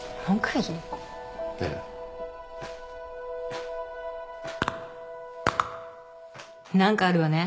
ええ。何かあるわねそれは。